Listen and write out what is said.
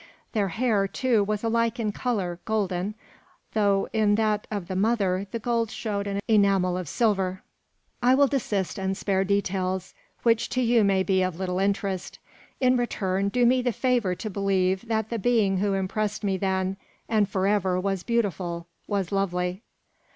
Their hair, too, was alike in colour, golden; though, in that of the mother, the gold showed an enamel of silver. I will desist and spare details, which to you may be of little interest. In return, do me the favour to believe, that the being who impressed me then and for ever was beautiful, was lovely.